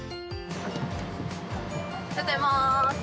おはようございます。